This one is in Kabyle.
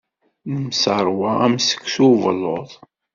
Nemseṛwa am seksu ubelluḍ.